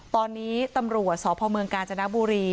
ตอนนี้ตำรวจสพกาญจนบุรี